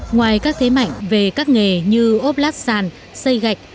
ngoài các thế mạnh về các nghề như ốp lát sàn xây gạch